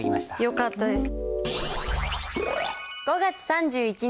よかったです。